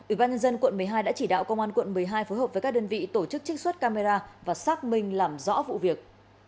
ủy ban nhân dân quận một mươi hai đã chỉ đạo công an quận một mươi hai phối hợp với các đơn vị tổ chức trích xuất camera và xác minh làm rõ vụ việc